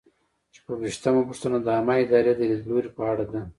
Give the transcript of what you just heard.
شپږویشتمه پوښتنه د عامه ادارې د لیدلوري په اړه ده.